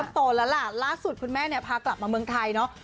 โตแล้วล่ะล่าสุดคุณแม่เนี่ยพากลับมาเมืองไทยเนอะ